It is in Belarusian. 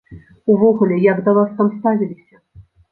Увогуле, як да вас там ставіліся?